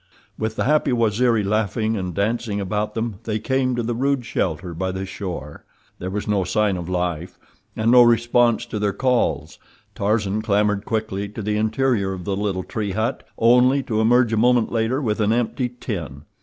With the happy Waziri laughing and dancing about them they came to the rude shelter by the shore. There was no sign of life, and no response to their calls. Tarzan clambered quickly to the interior of the little tree hut, only to emerge a moment later with an empty tin.